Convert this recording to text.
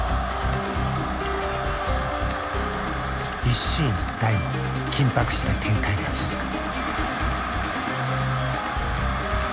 一進一退の緊迫した展開が続く。